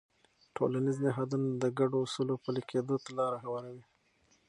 ټولنیز نهادونه د ګډو اصولو پلي کېدو ته لاره هواروي.